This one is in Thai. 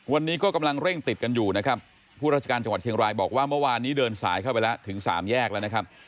วันนี้ก็กำลังเร่งติดกันอยู่นะครับผู้ราชการจังหวัดเชียงรายบอกว่าเมื่อวานนี้เดินสายเข้าไปแล้วถึงสามแยกแล้วนะครับ